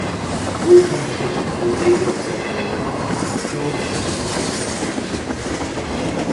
All compositions by David Sylvian and Jon Hassell except where noted.